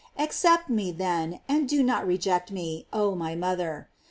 Accept me, then, and do not re* ject me, oh my mother!